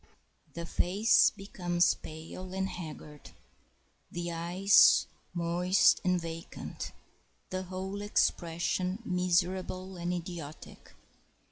] The face becomes pale and haggard, the eyes moist and vacant, the whole expression miserable and idiotic.